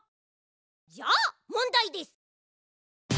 じゃもんだいです！